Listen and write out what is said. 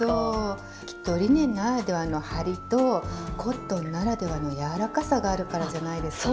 きっとリネンならではのハリとコットンならではの柔らかさがあるからじゃないですかね。